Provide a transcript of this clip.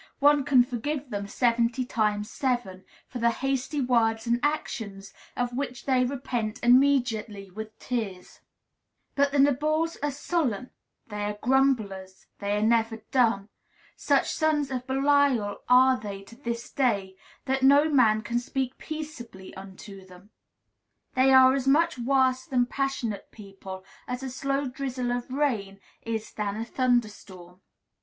One can forgive them "seventy times seven," for the hasty words and actions of which they repent immediately with tears. But the Nabals are sullen; they are grumblers; they are never done. Such sons of Belial are they to this day that no man can speak peaceably unto them. They are as much worse than passionate people as a slow drizzle of rain is than a thunder storm.